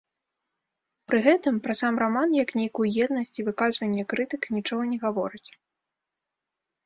Пры гэтым пра сам раман як нейкую еднасць і выказванне крытык нічога не гаворыць.